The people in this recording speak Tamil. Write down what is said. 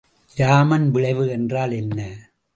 இராமன் விளைவு என்றால் என்ன?